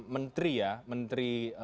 menteri ya menteri